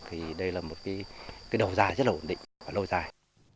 thì đây là một cái đầu ra rất là ổn định và lâu dài